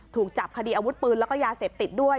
ถูกจับคดีอาวุธปืนแล้วก็ยาเสพติดด้วย